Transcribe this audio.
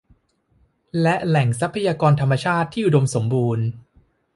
และแหล่งทรัพยากรธรรมชาติที่อุดมสมบูรณ์